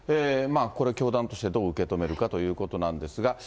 これ、教団としてどう受け止めるかということなんですが。